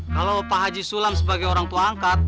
kalau paji sulam sebagai orang tua angkat